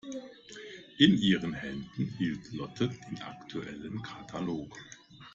In ihren Händen hielt Lotte den aktuellen Katalog.